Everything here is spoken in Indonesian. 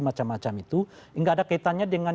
dan macam macam itu tidak ada kaitannya dengan